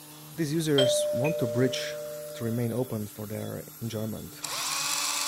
These users want the bridge to remain open for their enjoyment.